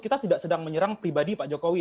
kita tidak sedang menyerang pribadi pak jokowi